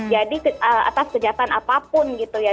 jadi atas kejahatan apapun gitu ya